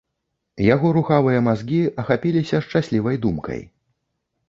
Яго рухавыя мазгі ахапіліся шчаслівай думкай.